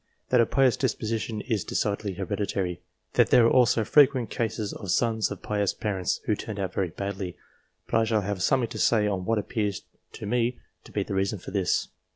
That a pious disposition is decidedly hereditary. That there are also frequent cases of sons of pious parents who turned out very badly ; but I shall have something to say on what appears to me to be the reason for this.